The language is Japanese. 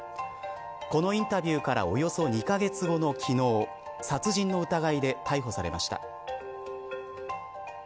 このインタビューからおよそ２カ月後の昨日殺人の疑いで逮捕されました。